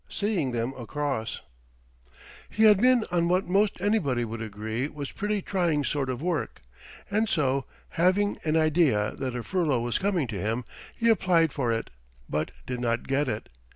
SEEING THEM ACROSS He had been on what most anybody would agree was pretty trying sort of work; and so, having an idea that a furlough was coming to him, he applied for it, but did not get it.